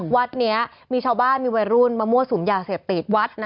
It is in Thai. วัดนี้มีชาวบ้านมีวัยรุ่นมามั่วสุมยาเสพติดวัด